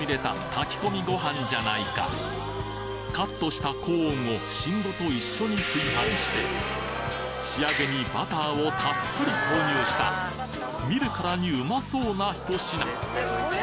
カットしたコーンを芯ごと一緒に炊飯して仕上げにバターをたっぷり投入した見るからにうまそうなひと品